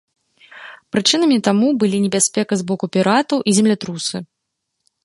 Прычынамі таму былі небяспека з боку піратаў і землятрусы.